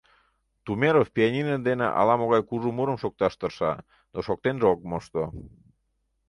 Тумеров пианино дене ала-могай кужу мурым шокташ тырша, но шоктенже ок мошто.